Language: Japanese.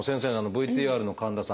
ＶＴＲの神田さん